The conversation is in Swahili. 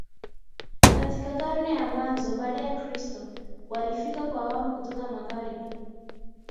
Katika karne za mwanzo baada ya kristo walifika kwa awamu kutoka magharibi